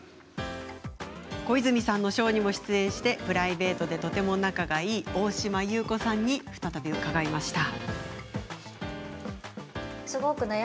小泉さんのショーにも出演しプライベートでとても仲がいいという大島優子さんに伺いました。